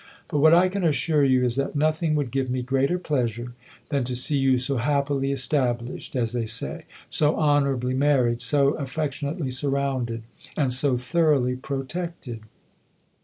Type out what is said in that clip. But what I can assure you is that nothing would give me greater pleasure than to see you so happily ' estab lished,' as they say so honourably married, so affec tionately surrounded and so thoroughly protected."